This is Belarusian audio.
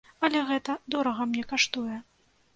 Але гэта дорага мне каштуе.